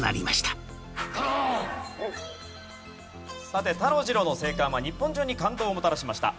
さてタロ・ジロの生還は日本中に感動をもたらしました。